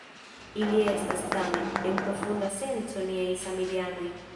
Ili estas, tamen, en profunda senco niaj samideanoj.